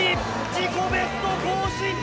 自己ベスト更新！